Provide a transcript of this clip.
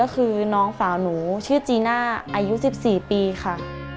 ก็คือน้องสาวหนูชื่อจีน่าอายุ๑๔ปีค่ะ